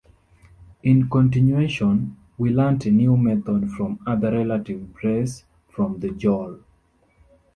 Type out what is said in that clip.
In continuation, we learnt a new method from other relative brasse from the jol.